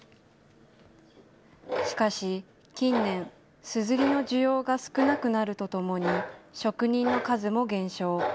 しかし近年、すずりの需要が少なくなるとともに、職人の数も減少。